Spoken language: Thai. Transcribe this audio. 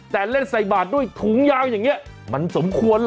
แต่เล่นใส่บาทด้วยถุงยาวอย่างนี้มันสมควรเหรอ